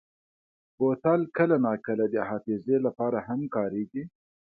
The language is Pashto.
بوتل کله ناکله د حافظې لپاره هم کارېږي.